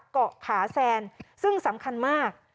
เกาะขาแซนซึ่งสำคัญมาก